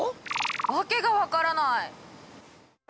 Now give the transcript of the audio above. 訳が分からない！